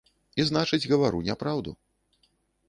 І значыць гавару няпраўду.